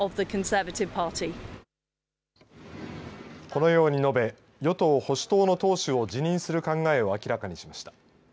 このように述べ与党・保守党の党首を辞任する考えを明らかにしました。